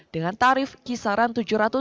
dengan tarif kisaran tujuh ratus